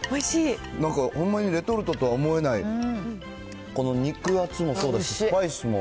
なんかほんまに、レトルトとは思えない、この肉厚もそうだし、スパイスも。